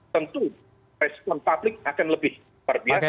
tentu resiko publik akan lebih parbias